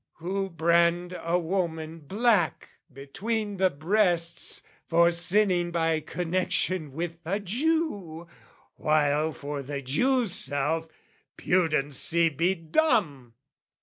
Who brand a woman black between the breasts For sinning by connection with a Jew: While for the Jew's self pudency be dumb!